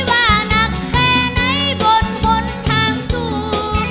ว่านักแค่ไหนบนบนทางสู้